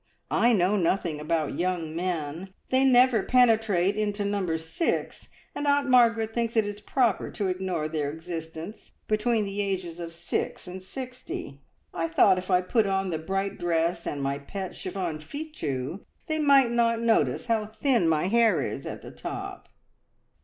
I know nothing about young men. They never penetrate into Number Six, and Aunt Margaret thinks it is proper to ignore their existence between the ages of six and sixty. I thought if I put on the bright dress and my pet chiffon fichu, they might not notice how thin my hair is at the top!"